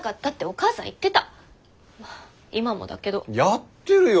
やってるよ！